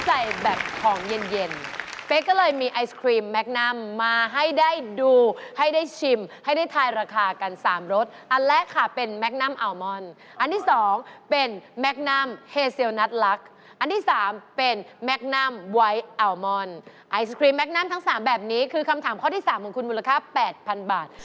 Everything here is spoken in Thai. อันนี้คือคำถามข้อที่๓ของคุณมูลค่า๘๐๐๐บาท